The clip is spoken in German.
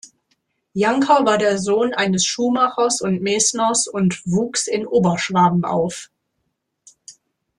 Janker war der Sohn eines Schuhmachers und Mesners und wuchs in Oberschwaben auf.